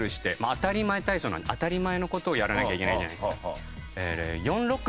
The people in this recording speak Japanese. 『あたりまえ体操』なので当たり前の事をやらなきゃいけないじゃないですか。